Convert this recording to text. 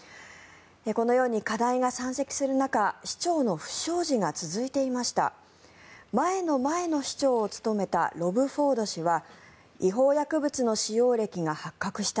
このように課題が山積する中市長の不祥事が続いていました。